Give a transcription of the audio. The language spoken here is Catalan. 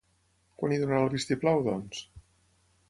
Quan hi donarà el vistiplau, doncs?